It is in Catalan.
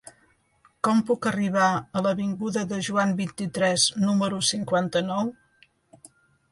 Com puc arribar a l'avinguda de Joan vint-i-tres número cinquanta-nou?